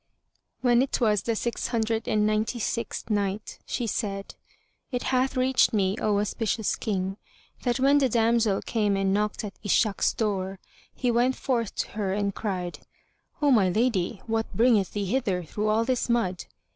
When it was the Six Hundred and Ninety sixth Night, She said, It hath reached me, O auspicious King, that when the damsel came and knocked at Ishak's door, he went forth to her and cried, "O my lady, what bringeth thee hither through all this mud?"